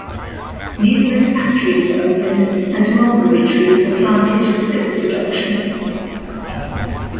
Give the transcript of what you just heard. Numerous factories were opened and mulberry trees were planted for silk production.